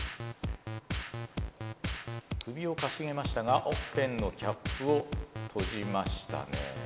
首をかしげましたがペンのキャップを閉じましたね。